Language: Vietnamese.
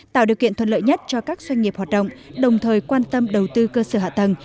tạo điều kiện thuận lợi nhất cho các doanh nghiệp hoạt động đồng thời quan tâm đầu tư cơ sở hạ tầng